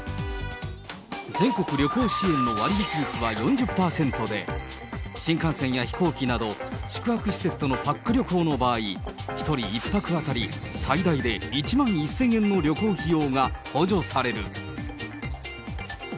全国旅行支援の割引率は４０％で、新幹線や飛行機など、宿泊施設とのパック旅行の場合、１人１泊当たり最大で１万１０００円の旅行費用が補助される。